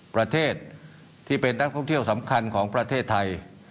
ประเทศที่เป็นนักท่องเที่ยวสำคัญของประเทศไทย